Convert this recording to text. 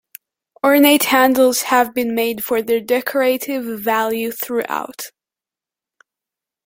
Ornate handles have been made for their decorative value, throughout.